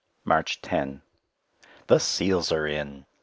March 10 The seals are in!